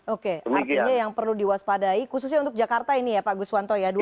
oke artinya yang perlu diwaspadai khususnya untuk jakarta ini ya pak guswanto ya dua puluh tiga dua puluh empat jam